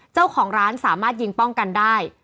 เจ้าของร้านสามารถยิงป้องกันได้